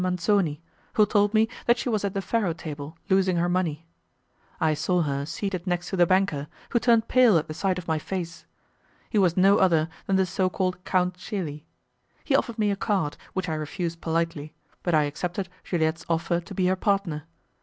Manzoni, who told me that she was at the faro table, losing her money. I saw her seated next to the banker, who turned pale at the sight of my face. He was no other than the so called Count Celi. He offered me a card, which I refused politely, but I accepted Juliette's offer to be her partner.